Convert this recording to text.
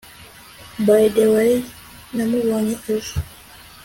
by the way, namubonye ejo